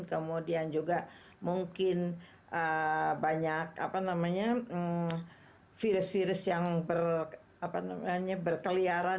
kemudian juga mungkin banyak virus virus yang berkeliaran